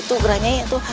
itu geraknya atuh